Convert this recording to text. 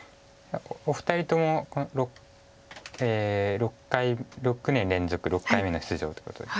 お二人とも６年連続６回目の出場ということで。